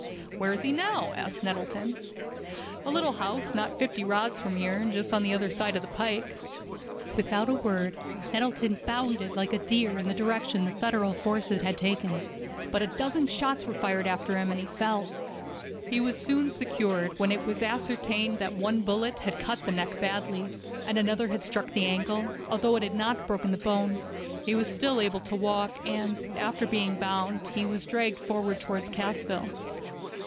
"Where is he now?" asked Nettleton. "At a little house not fifty rods from here, just the other side of the pike." Without a word, Nettleton bounded like a deer in the direction the Federal forces had taken. But a dozen shots were fired after him, and he fell. He was soon secured, when it was ascertained that one bullet had cut the neck badly, and another had struck the ankle, although it had not broken the bone. He was still able to walk, and, after being bound, he was dragged forward toward Cassville.